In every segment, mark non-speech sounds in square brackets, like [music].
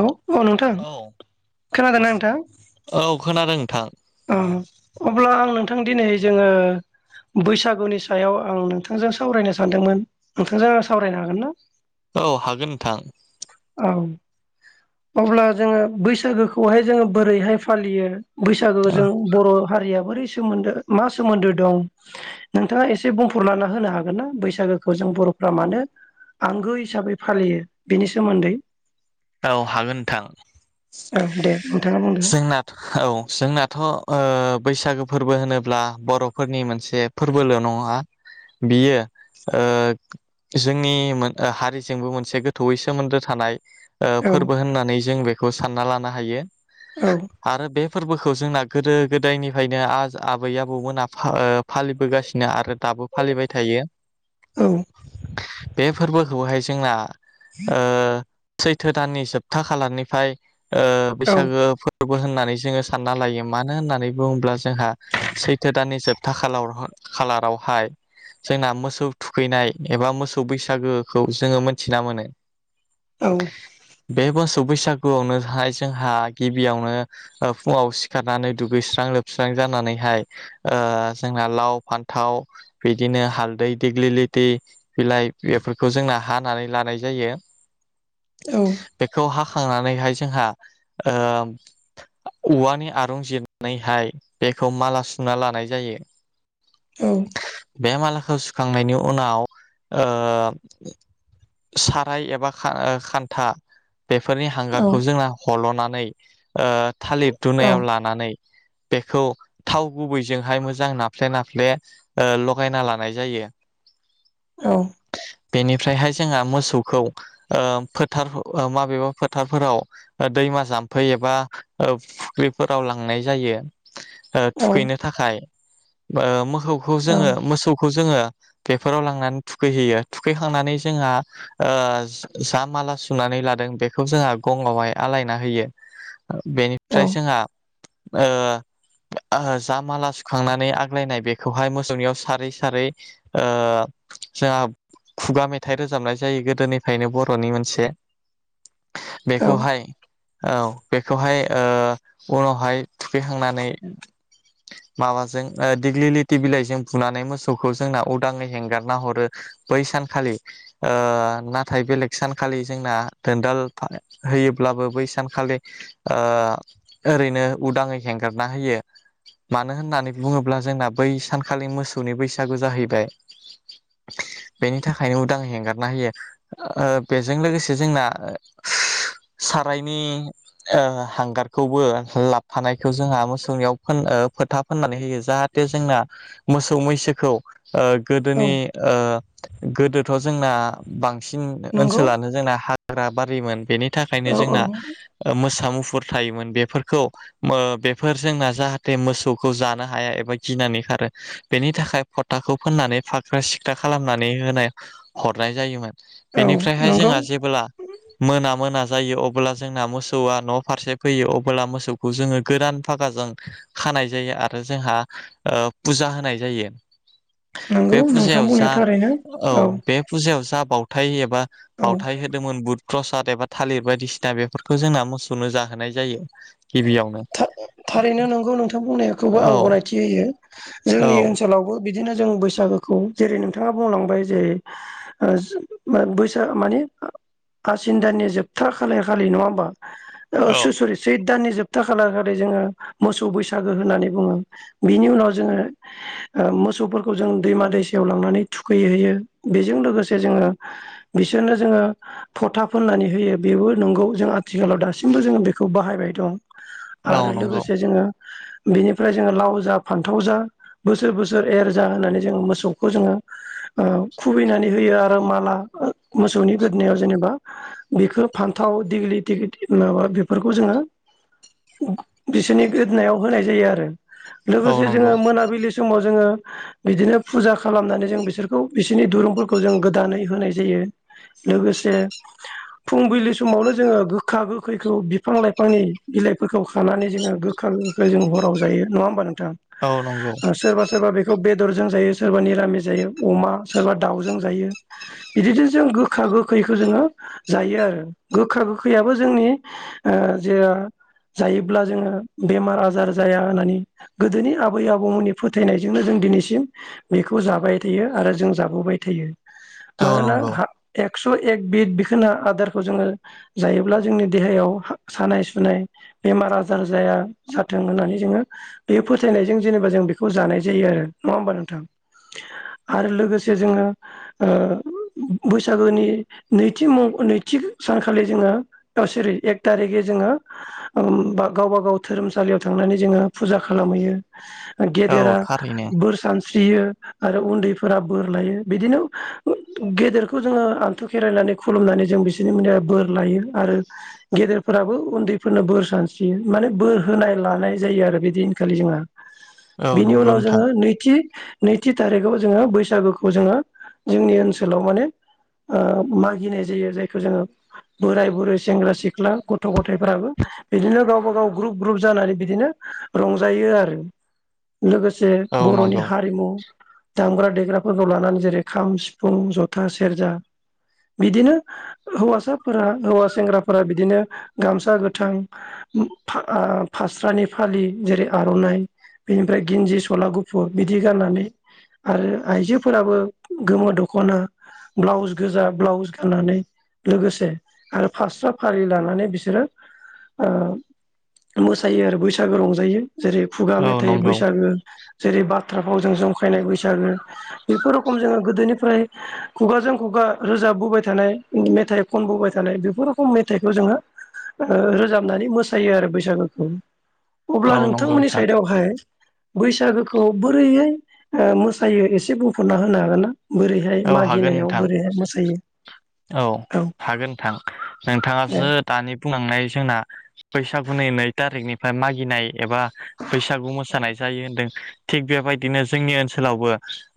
ल' अ नोंथां औ खोनादों ना नोंथां? थां। अह अब्ला आं नोंथां दिनै जोङो बैसागुनि सायाव आं नोंथांजों सावरायनो सानदोंमोन। नोंथांजों आं सावरायनो हागोन ना? औ हागोन नोंथां। औ अब्ला जोङो बैसागोखौहाय जोङो बोरैहाय फालियो बै सागो जों बर' हारिया बोरै सोमोन्दो मा सोमोन्दो दं नोंथाङा एसे बुंफोरलाना होनो हागोन ना बैसागोखौ जों बर'फ्रा मानो आंगो हिसाबै फालियो बिनि सोमोन्दै। औ हागोन नोंथां औ दे नोंथाङा बुंदो जोंना औ जोंना थ' ओ बैसागो फोरबो होनोब्ला बर'फोरनि मोनसे फोरबोल' नङा बियो ओ जोंनि मोन ओ हारिजोंबो मोनसे गोथौयै सोमोन्दो थानाय ओ औ फोरबो होननानै जों बे खौ सानना लानो हायो। औ आरो बे फोरबोख खौ जोंना गोदो गोदाय निफायनो आज आबै आबौमोना फा ओ फालिबोगासिनो आरो दाबो फालिबाय थायो। औ। बे फोरबोखौहाय जोंना ओ सैथो दाननि जोबथा खालारनिफाय ओ औ बैसागो फो रबो होननानै जोङो सानना लायो मानो होननानै बुङोब्ला जोंहा सैथो दाननि जोबथा खालार-खालारावहाय जोंना मोसौ थुखैनाय एबा मोसौ बैसागोखौ जोङो मोनथिना मोनो। औ बे बोस सौ बैसागुआवनोहाय जोंहा गिबियावनो ओ फुङाव सिखारनानै दुगैस्रां लोबस्रां जानानैहाय ओ जोंना लाव फान्थाव बिदिनो हालदै देग्लिलिथि बिलाइ बेफोरखौ जोंना हानानै लानाय जायो। बेखौ हा खांनानैहाय जोंहा ओ औवानि आरं जिरनानैहाय बेखौ माला सुना लानाय जायो। औ। बे मालाखो सुखांनायनि उनाव ओ साराय एबा खा ओ खान्था बेफोरनि औ हांगारखौ जोंना हल'ना नै ओ थालिर दुनायाव लानानै बेखौ थाव गुबैजोंहाय मोजां नाफ्ले नाफ्ले ओ लगायना लानाय जायो औ बेनिफ्रायहाय जोंहा मोसौखौ ओ फोथार माबेबा फोथारफोराव ओ दैमा जाम्फै एबा ओ फुख्रिफोराव लांनाय जायो ओ औ थुखैनो थाखाय ओ मोख औ [unintelligible] मोसौखौ जोङो बेफोराव लांनानै थुखैहैयो थुखैखांनानै जोंहा ओ जा माला सुनानै लादों बेखौ जोंहा गंआवहाय आलायना होयो औ बेनिफ्राय जोंहा ओ जा माला सुखांनानै आग्लायनाय बेखौहाय मोसौनियाव सारै सारै ओ जोंहा खुगा मेथाइ रोजाबनाय जायो गोदोनिफ्राय फ्रायनो बर'नि मोनसे औ बेखौहाय औ बेखौहाय ओ उनावहाय थुखैखांनानै माबाजों ओ दिग्लि लथि बिलाइजों बुनानै मोसौखौ जोंना उदाङै हेंगारना हरो बै सानखालि ओ ना नाथाय बेलेग सानखालि जोंना दोनदाल होयोब्लाबो बै सानखालि ओ ओरैनो उदाङै हेंगारना होयो मानो होननानै बुङोब्ला जोंना बै सानखालि मोसौनि बैसागु जाहैबाय बेनि थाखायनो उदाङै हेंगारना होयो ओ बेजों लोगोसे जोंना सारायनि ओ हांगारखौबो लाबोफानायखौ जोंहा मोसौनियाव फ ओ फोथा फोननानै होयो जाहाथे जोंना मोसौ मैसोखौ ओ औ गोदोनि ओ गोदोथ' जोंना बांसिन बांसिन नंगौ ओनसोलानो जोंना हा ग्रा बारिमोन बेनि थाखायनो औ औ जोंना ओ मोसा मुपु फोर थायोमोन बेफोरखौ ओ बेफोर जोंना जाहाथे मोसौखौ जानो हाया एबा गिनानै खारो बेनि थाखाय फथाखौ फोननानै फाख्रा सिख्ला खालामनानै होनाय हरनाय जायोमोन औ बेनिफ्रायहाय नंगौ जोंहा जेबोब्ला मोना मोना जायो अ अब्ला जोंना मोसौआ न' फारसे फैयो अब्ला मोसौखौ जोङो गोदान फागाजों खानाय जायो आरो जोंहा फुजा होनाय जायो नंगौ बे नोंथां फुजायाव बुंनाया जा थारैनो औ बे फुजायाव जा बाव [unintelligible] बा औ बावथाय होदोंमोन बुध फ्रसाद एबा थालिर बायदिसिना बेफोरखौ जोंना मोसौनो जाहोनाय जायो गिबियावनो थारैनो नोंगौ नोंथां बुंनायखौबो औ आं गनायथि होयो औ जोंनि ओनसोलावबो बिदिनो जों बैसागोखौ जेरै नोंथाङा बुंलांबाय जे ओ बैस माने आसिन दाननि जोबथार खालि खालि नङा होमबा औ [unintelligible] दाननि जोबथा खालार खाै जोङो मोसौ बैसागो होननानै बुङो बिनि उनाव जोङो ओ मोसौफोरखौ जों दैमा दैसायाव लांनानै थुखैहयो बेजों लोगोसे जोङो बिसोरनो जोङो फथा फोननानै होयो बेबो नंगौ जों आथिखालाव दासिमबो जोङो बेखौ बाहायबाय दं औ आरो नंगौ लोगोसे जोङो बिनिफ्राय जोङो लाव जा फान्थाव जा बोसोर बोसोर एर जा होननानै जोङो मोसौखौ जोङो ओ खुबैनानै होयो आरो माला मोसौनि गोदोनाव जेनेबा बिखो फान्थाव देग्लिथि माबा बेफोरखौ जोङो बिसोरनि गोदोनायाव होनाय जायो आरो। औ लोगोसे नंगौ जोङो मोनाबिलि समाव जोङो बिदिनो फुजा खालामनानै जों बिसोरखौ बिसोरनि दुरुंफोरखौ जों गोदानै होनाय जायो लोगोसे फुंबिलि समावनो जोङो गोखा गोखैखौ बिफां लाइफांनि बिलाइफोरखौ खानानै जोङो गोखा गोखैखो जों हराव जायो नङा होमबा नों थां औ नंगौ ओ सोरबा सोरबा बे खौ बेदरजों जायो सोरबा निरामिस जायो अमा सोरबा दाउजों जायो बिदिनो जों गोखा गोखैखौ जोङो जायो आरो गोखा गोखैयाबो जोंनि ओ जेआ जायोब्ला जोङो बेमार आजार जाया होननानै गोदोनि आबै आबौमोननि फोथायनायजोंनो जों दिनैसिम बेखौ जाबाय थायो आरो जों जाबोबाय थायो। औ मानोना नंगौ हा एक स' एक बिद बिखोना आदारखौ जोङो जायोब्ला जोंनि देहायाव हा सानाय सुनाय बेमार आजार जाया जाथों होननानै जोङो बे फोथायनायजों जेनेबा जों बेखौ जानाय जायो आरो नङा होमबा नोंथां आरो लोगोसे जोङो ओ बैसागोनि नैथि म नैथि सानखालि जोङो सेरै एक थारिखै जोङो ओम बा गावबा गाव धोरोमसालियाव थांनानै जोङो फुजा खालामहैयो औ गेदेरा थारैनो बोरसान स्रियो आरो उन्दैफोरा बोर लायो बिदिनो ओ गेदेरखौ जोङो आनथु खेरायनानै खुलुमनानै जों बिसोरनिफ्राय बोर लायो आरो गेदेरफोराबो उन्दैफोरनो बोर सानस्रियो माने बोर होनाय लानाय जायो आरो बैदिनखालि जोंहा। औ बिनि नंगौ उनाव नोंथां जोङो नैथि नैथि थारिखाव जोङो बैसागुखौ जोङो जोंनि ओनसोलाव माने ओ मागिनाय जायो जायखौ जोङो बोराय बुरै सेंग्रा सिख्ला गथ थ' गथायफोराबो गावबा गाव ग्रुप ग्रुप जानानै बिदिनो रंजायो आरो। लोगोसे औ बर'नि नंगौ हारिमु दामग्रा देग्राफोरखौ लानानै जेरै खाम सिफुं जथा सेरजा बिदिनो हौवासाफोरा हौवा सेंग्राफोरा बिदिनो गामसा गोथां उम आ फास्रानि फालि जेरै आर'नाइ बिनिफ्राय गिनजि सला गुफुर बिदि गाननानै आरो आइजोफोराबो गोमो दख'ना ब्लाउस गोजा ब्लाउस गाननानै लोगोसे आरो फास्रा फालि लानानै बिसोरो ओ मोसायो आरो बैसागो रंजायो। जेरै खुगा औ मेथाइ नंगौ बैसागो जेरै बाथ्रा फाव जों जंखायनाय बैसागो बेफोर रखम जोङो गोदोनिफ्राय खुगाजों खुगा रोजाबबोबाय थानाय मेथाइ खनबोबाय थानाय बेफोर रखम मेथाइखौ जोङो ओ रोजाब फोनानै मोसायो आरो बैसागोखौ। अब्ला औ नंगौ नोंथांमोननि नोंथां साइदआवहाय बैसागोखौ बोरैयै ओ मोसायो एसे बुंफोरना होनो हागोन ना? बोरैहाय औ हागोन मागिनायाव नोंथां बोरैहाय मोसायो? औ हागोन नोंथां दे नोंथाङासो दानि बुंलांनाय जों ना बैसागुनि नै थारिखनिफ्राय मागिनाय एबा बैसागु औ मोसानाय जायो होनदों थिग बेबायदिनो जोंनि ओनसोलावबो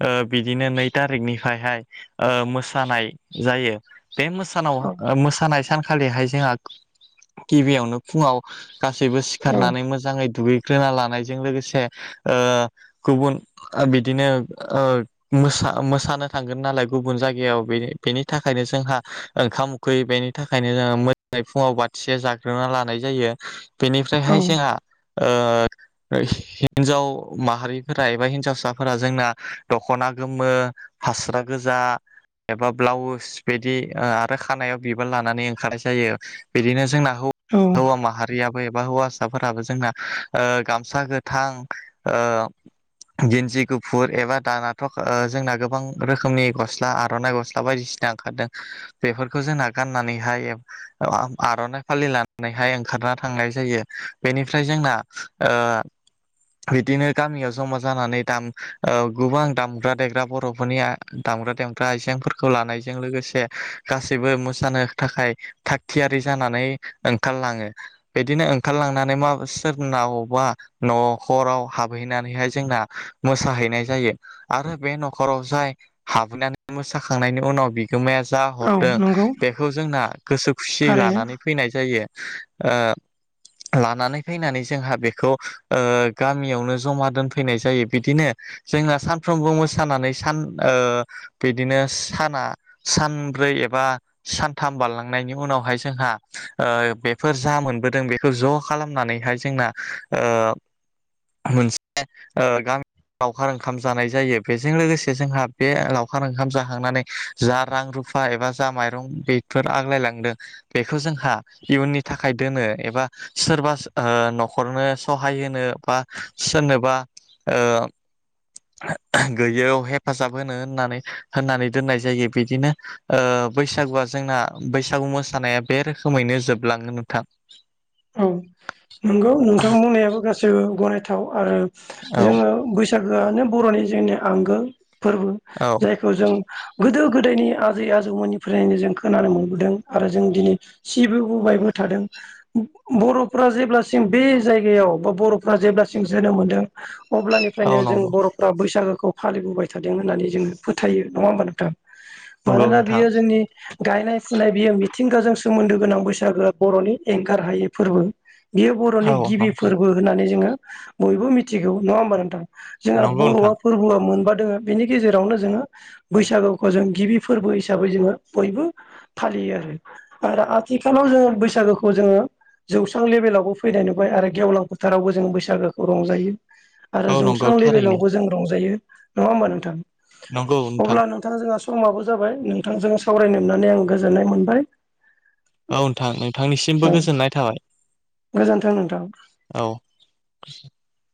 ओ बिदिनो नै थारिकनिफ्रायहाय ओ मोसानाय जायो। बे मोसानाव ओ मोसानाय सान खालिहाय जोंहा गिबियावनो फुङाव गासैबो औ सिखारनानै मोजाङै दुगै ग्रोना लानायजों लोगोसे ओ गुबुन ओ बिदिनो ओ मोसा मोसानो थांगोन नालाय गुबुन जायगायाव बेनि था खायनो जोंहा ओंखाम उखैयो बेनि थाखायनो जोङो मोजाङै फुङाव बाथिसे जाग्रोना लानाय जायो औ बेनिफ्रायहाय जोंहा ओ हिनजाव माहारिफोरा एबा हिनजावसाफोरा जोंना दख'ना गोमो फास्रा गोजा एबा ब्लाउस बिदि आरो खानायाव बिबार लानानै ओंखारनाय जायो बिदिनो जोंना औ हौवा माहारियाबो बा हौवासाफोराबो जोंना ओ गामसा गोथां ओ गेनजि गुफुर एबा दानाथ' ओ जोंना गोबां रोखोमनि गस्ला आर'नाइ गस्ला बायदि ओंखारदों बेफोरखौ जोंना गाननानैहाय आर'नाइ फालि लानानैहाय ओंखारना थांनाय जायो बेनिफ्राय जोंना ओ बिदिनो गामियाव जमा जानानै दाम ओ गोबां दामग्रा देग्रा बर'फोरनि दामग्रा देग्रा आइजेंफोरखौ लानाय जों लोगोसे गासैबो मोसानो थाखाय थाग थिगियारि जानानै ओंखारलाङो बिदिनो ओंखारलांनानै मा सोरनावबा न'खराव हाबहैनानैहाय जोंना मोसाहैनाय जायो आरो बे न'खराव जाय हाबहैनानै मोसाखांनायनि उनाव बिगोमाया जा औ हरदों नंगौ बेखौ जोंना गोसो खुसियै लानानै थारैनो फैनाय जायो ओ लानानै फैनानै जोंहा बेखौ ओ गामियावनो जमा दोनफैनाय जायो बिदिनो जोंना सानफ्रोमबो मोसानानै सान ओ बिदिनो साना सानब्रै एबा सानथाम बारलांनायनि उनावहाय जोंहा ओ बेफोर जा मोनबोदों बेखौ ज' खालामनानैहाय जोंना ओ मोनसे ओ गामि लावखार ओंखाम जानाय जायो बेजों लोगोसे जोंहा बे लावखार ओंखाम जाखांनानै जा रां रुफा एबा जा माइरं बेफोर आग्लायलांदों बेखौ जोंहा इयुननि थाखाय दोनो एबा सोरबा ओ न'खरनो सहाय होनो बा सोरनोबा ओ गैयियाव हेफाजाब होनो होननानै होननानै दोननाय जायो बिदिनो ओ बैसागुआ जोंना बैसागु मोसानाया बे रोखोमैनो जोबलाङो नोंथां औ नंगौ नोंथां बुंनायाबो गासैबो गनायथाव आरो औ जोङो बैस बैसागोआनो बर'नि जोंनि आंगो फोरबो औ जायखौ जों गोदो गोदोनि आजै आजौमोननिफ्रायनो जों खोनानो मोनबोदों आरो जों दिनै सिबोबोबायबो थादों बर'फ्रा जेब्लासिम बे जायगायाव बा बर'फ्रा जेब्लासिम जोनोम मोनदों औ अब्लानिफ्रायनो जों नंगौ बर'फ्रा बैसागो खौ फालिबोबाय थादों होननानै जोङो फोथायो नङा होमबा नोंथां नंगौ मानोना नोंथां बियो जोंनि गायनाय फुनाय बियो मिथिंगाजों सोमोन्दो गोनां बैसागोआ बर'नि एंगार हायि फोरबो बियो बर'नि औ गिबि नंगौ फोरबो होननानै जोङो बयबो मिथिगौ नङा होम्बा नोंथां जोंहा नंगौ नोंथां बर'आ फोरबोआ मोनबा दोङो बेनि गेजेरावनो जोङो बैसागुखौ जों गिबि फोरबो हिसाबै जोङो बयबो फालियो आरो आरो आथिखालाव जोङो बैसागोखौ जोङो जौस्रां लेभेलावबो फैनाय नुबाय आरो गेवलां फोथारावबो जोङो बैसागोखौ रंजायो आरो औ नंगौ जौस्रां थारैनो लेभेलावबो जों रंजायो नङा ओमबा नोंथां नंगौ नोंथां अब्ला नोंथाङा जोंहा समाबो जाबाय नोंथांजों सावरायनोमोननानै आं गोजोननाय मोनबाय औ नोंथां नोंथांनिसिमबो औ गोजोननाय थाबाय गोजोन्थों नोंथां। औ [unintelligible]